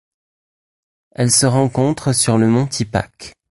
Elle se rencontre sur le mont Tipac.